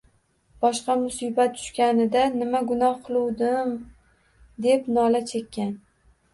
Boshga musibat tushganida: “Nima gunoh qiluvdim?!” deb nola chekkan